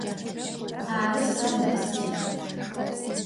Arı, se nı si'.